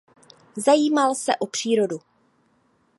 Zajímal se o přírodu.